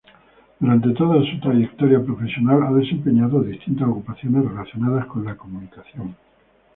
Durante toda su trayectoria profesional ha desempeñado distintas ocupaciones relacionadas con la comunicación.